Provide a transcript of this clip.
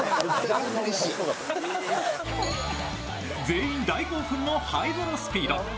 全員大興奮のハイドロスピード。